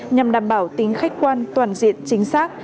nhằm đảm bảo tính khách quan toàn diện chính xác